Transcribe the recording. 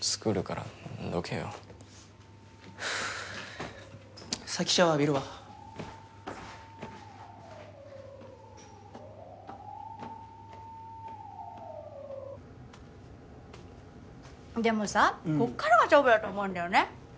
作るからどけよ先シャワー浴びるわでもさこっからが勝負だと思うんだよね